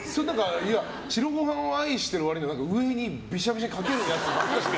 白ご飯を愛してる割には上に、びしゃびしゃにかけるやつ。